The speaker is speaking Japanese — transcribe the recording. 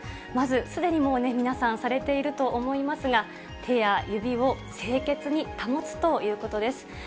まずすでにもう皆さん、されていると思いますが、手や指を清潔に保つということです。